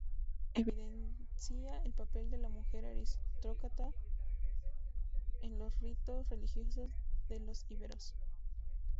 Evidencia el papel de la mujer aristócrata en los ritos religiosos de los iberos.